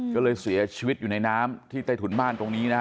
ก็เลยเสียชีวิตอยู่ในน้ำที่ใต้ถุนบ้านตรงนี้นะฮะ